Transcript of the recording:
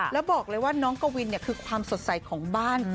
แล้วบอกเลยว่าน้องกวินคือความสดใสของบ้าน